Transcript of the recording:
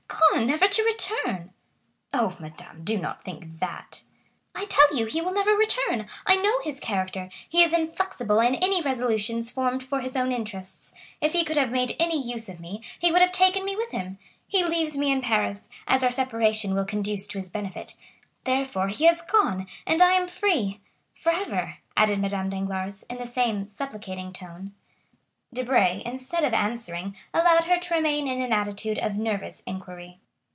Gone, never to return!" "Oh, madame, do not think that!" "I tell you he will never return. I know his character; he is inflexible in any resolutions formed for his own interests. If he could have made any use of me, he would have taken me with him; he leaves me in Paris, as our separation will conduce to his benefit;—therefore he has gone, and I am free forever," added Madame Danglars, in the same supplicating tone. Debray, instead of answering, allowed her to remain in an attitude of nervous inquiry.